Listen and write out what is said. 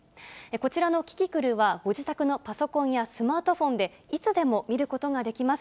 こちらのキキクルは、ご自宅のパソコンやスマートフォンで、いつでも見ることができます。